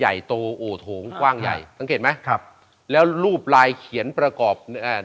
ใหญ่โตโอ้โถงกว้างใหญ่สังเกตไหมครับแล้วรูปลายเขียนประกอบอ่า